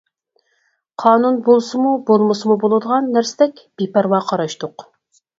قانۇن بولسىمۇ، بولمىسىمۇ بولىدىغان نەرسىدەك بىپەرۋا قاراشتۇق.